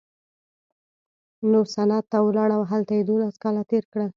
نو سند ته ولاړ او هلته یې دوولس کاله تېر کړل.